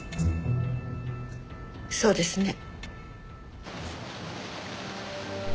そうですね。